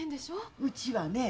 うちはね